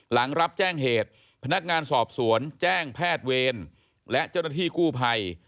หลังรับแจ้งเหตุพนักงานสอบสวนแจ้งแพทย์เวรและเจ้าหน้าที่กู้ภัย